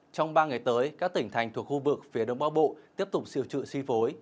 trong ba ngày tới các tỉnh thành thuộc khu vực phía đông bắc bộ tiếp tục siêu trự si phối